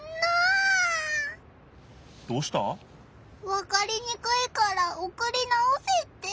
わかりにくいからおくり直せって。